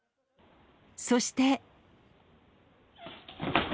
そして。